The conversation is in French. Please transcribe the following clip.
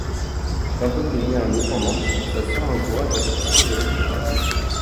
Quand elle devient indépendante, sa sœur l'encourage à poursuivre l'écriture.